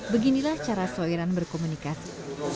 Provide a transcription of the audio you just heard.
beginilah cara soiran berkomunikasi